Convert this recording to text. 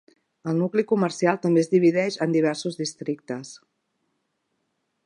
El nucli comercial també es divideix en diversos districtes.